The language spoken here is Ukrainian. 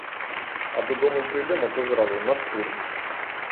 А додому прийдемо, то зразу — на штурм.